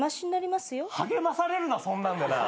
励まされるなそんなんで。